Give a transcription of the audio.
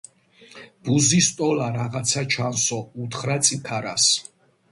ბუზის ტოლა რაღაცა ჩანსო, - უთხრა წიქარას.